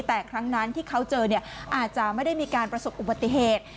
แต่ครั้งนั้นที่เขาเจอเนี่ยอาจจะไม่ได้มีการประสบอุบัติเหตุ